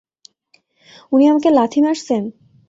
উনি আমাকে লাথি মারছেন!